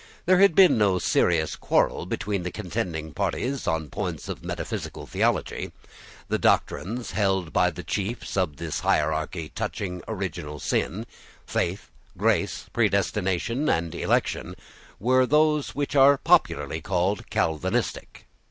There had been no serious quarrel between the contending parties on points of metaphysical theology. The doctrines held by the chiefs of the hierarchy touching original sin, faith, grace, predestination, and election, were those which are popularly called Calvinistic.